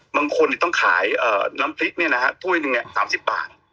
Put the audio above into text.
บางคนต้องขายน้ำพริกเนี่ยนะฮะถ้วยหนึ่งเนี่ย๓๐บาท